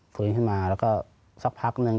ฟื้นขึ้นมาแล้วก็สักพักนึง